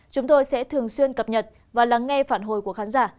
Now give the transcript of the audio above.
chúng tôi sẽ thường xuyên cập nhật và lắng nghe phản hồi của khán giả